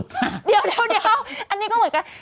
เดี๋ยวอันนี้ก็เหมือนกัน